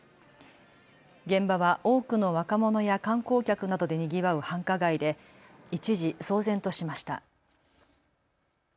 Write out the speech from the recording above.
現場は多くの若者や観光客などでにぎわう繁華街で一時騒然としました。